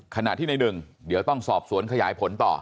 ขณะที่ในหนึ่งเดี๋ยวต้องสอบสวนขยายผลต่อ